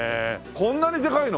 こんなにでかいの？